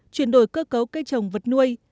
chuyển đổi cơ cấu cây trồng vật nuôi